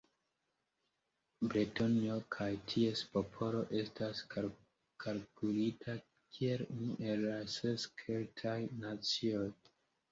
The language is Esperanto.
Bretonio kaj ties popolo estas kalkulita kiel unu el la ses Keltaj nacioj.